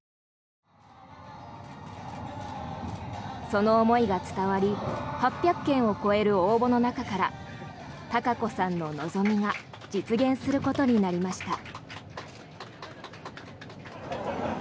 その思いが伝わり８００件を超える応募の中から隆子さんの望みが実現することになりました。